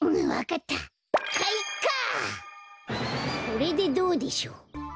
これでどうでしょう？